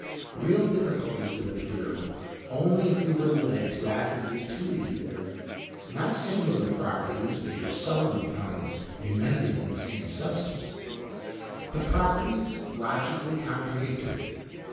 Real difficulties would appear only if we were led to attribute to the ether, not singular properties which are seldom found united in the same substance, but properties logically contradictory.